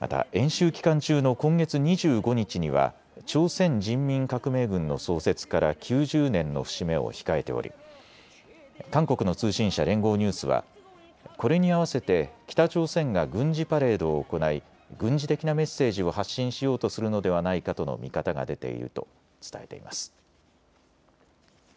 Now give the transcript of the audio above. また演習期間中の今月２５日には朝鮮人民革命軍の創設から９０年の節目を控えており韓国の通信社、連合ニュースはこれに合わせて北朝鮮が軍事パレードを行い軍事的なメッセージを発信しようとするのではないかとの見方が出ていると伝えています。